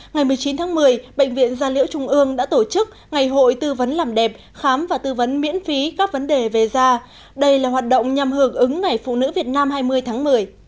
ngày một mươi chín tháng một mươi bệnh viện gia liễu trung ương đã tổ chức ngày hội tư vấn làm đẹp khám và tư vấn miễn phí các vấn đề về da đây là hoạt động nhằm hưởng ứng ngày phụ nữ việt nam hai mươi tháng một mươi